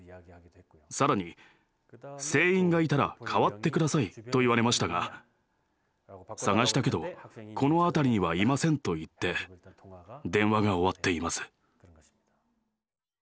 更に「船員がいたら代わって下さい」と言われましたが「探したけどこの辺りにはいません」と言って電話が終わっています。